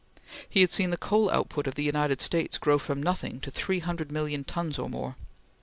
He had seen the coal output of the United States grow from nothing to three hundred million tons or more.